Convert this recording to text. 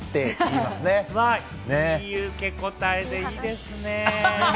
いい受け答えでいいですね。